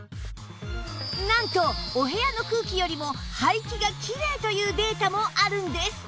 なんとお部屋の空気よりも排気がきれいというデータもあるんです